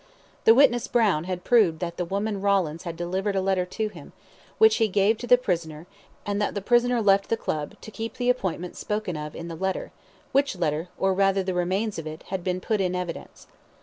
The witness Brown had proved that the woman Rawlins had delivered a letter to him, which he gave to the prisoner and that the prisoner left the Club, to keep the appointment spoken of in the letter, which letter, or, rather, the remains of it had been put in evidence.